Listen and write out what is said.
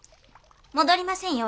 戻りませんよ